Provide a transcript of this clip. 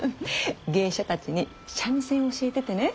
芸者たちに三味線を教えててね。